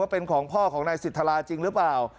เป็นของพ่อของนายสิทธาจริงหรือเปล่า